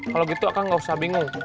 kalau gitu kang gak usah bingung